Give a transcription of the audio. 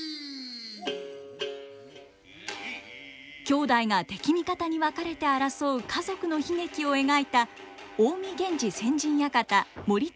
兄弟が敵味方に分かれて争う家族の悲劇を描いた「近江源氏先陣館盛綱陣屋」。